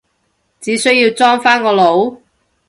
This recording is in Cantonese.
只需要裝返個腦？